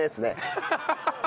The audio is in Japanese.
ハハハハハ！